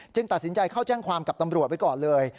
ตัดสินใจเข้าแจ้งความกับตำรวจไว้ก่อนเลย